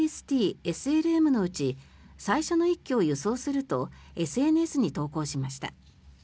ＩＲＩＳ−ＴＳＬＭのうち最初の１基を輸送するとＳＮＳに投稿しました。